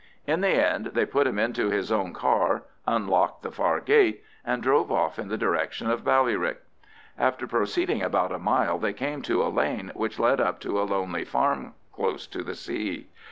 In the end they put him into his own car, unlocked the far gate, and drove off in the direction of Ballyrick. After proceeding about a mile they came to a lane, which led up to a lonely farm close to the sea.